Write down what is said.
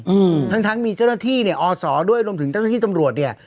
อืมทั้งทั้งมีเจ้าหน้าที่เนี่ยอศด้วยรวมถึงเจ้าหน้าที่ตำรวจเนี้ย